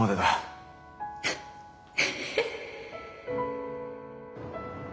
フッフフ。